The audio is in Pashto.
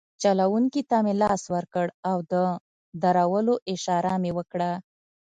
چلونکي ته مې لاس ورکړ او د درولو اشاره مې وکړه.